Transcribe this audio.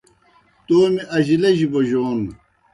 تومیْ اجلِجیْ بوجون